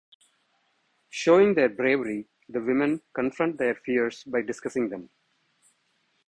Showing their bravery the women confront their fears by discussing them.